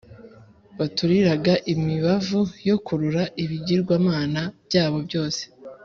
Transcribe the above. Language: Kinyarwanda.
baturiraga imibavu yo kurura ibigirwamana byabo byose